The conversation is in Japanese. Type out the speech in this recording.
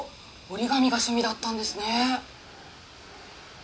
折り紙が趣味だったんですね。